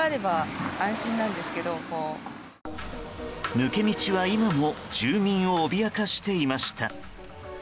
抜け道は今も住民を脅かしていました。